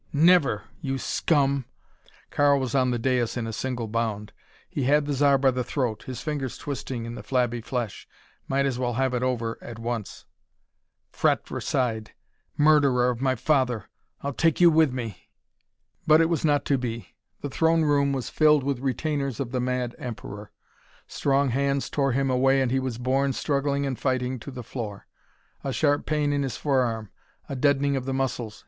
"Never! You scum!" Karl was on the dais in a single bound. He had the Zar by the throat, his fingers twisting in the flabby flesh. Might as well have it over at once. "Fratricide murderer of my father, I'll take you with me!" But it was not to be. The throne room was filled with retainers of the mad emperor. Strong hands tore him away and he was borne, struggling and fighting, to the floor. A sharp pain in his forearm. A deadening of the muscles.